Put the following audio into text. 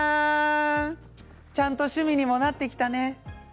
ちゃんと趣味にもなってきたね。